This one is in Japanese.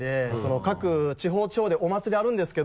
各地方地方でお祭りあるんですけど。